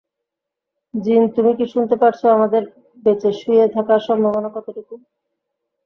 জিন তুমি কি শুনতে পারছো আমাদের বেঁচে শুয়ে থাকার সম্ভাবনা কতটুকু?